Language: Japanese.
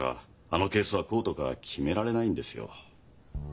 「あのケースはこう」とか決められないんですよ。